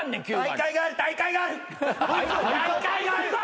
大会がある！